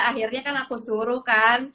akhirnya kan aku suruh kan